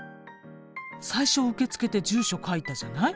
最初受付で住所書いたじゃない？